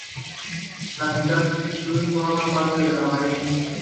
La mitad sur forma parte de La Marina.